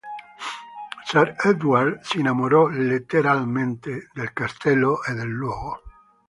Sir Edward si innamorò letteralmente del castello e del luogo.